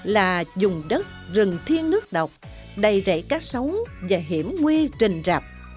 là dùng đất rừng thiên nước độc đầy rẫy cá sống và hiểm nguy trình rạp